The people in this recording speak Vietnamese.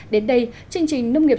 đến đây chương trình nông nghiệp